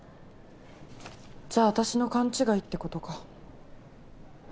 じゃあ私の勘違いってことか。